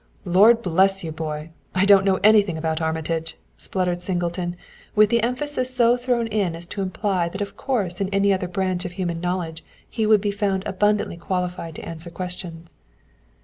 "Lord bless you, boy, I don't know anything about Armitage!" spluttered Singleton, with the emphasis so thrown as to imply that of course in any other branch of human knowledge he would be found abundantly qualified to answer questions.